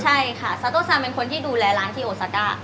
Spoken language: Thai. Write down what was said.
ใช่ค่ะซาโต้ซานเป็นคนที่ดูแลร้านที่โอซาก้า